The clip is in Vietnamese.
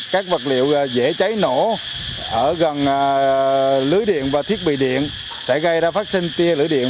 các vật liệu dễ cháy nổ ở gần lưới điện và thiết bị điện sẽ gây ra phát sinh tia lửa điện